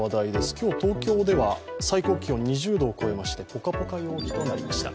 今日、東京では最高気温２０度を超えまして、ぽかぽか陽気となりました。